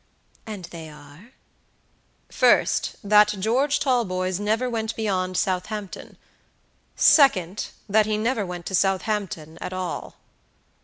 "And they are" "First, that George Talboys never went beyond Southampton. Second, that he never went to Southampton at all."